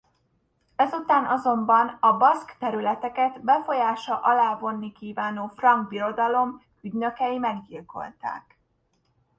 Ezután azonban a baszk területeket befolyása alá vonni kívánó Frank Birodalom ügynökei meggyilkolták.